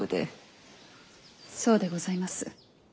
そうでございます。